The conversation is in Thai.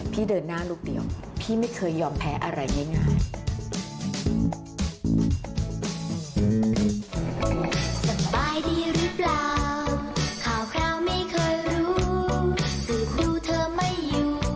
เดินหน้าลูกเดียวพี่ไม่เคยยอมแพ้อะไรง่าย